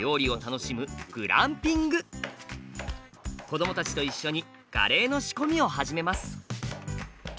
子どもたちと一緒にカレーの仕込みを始めます。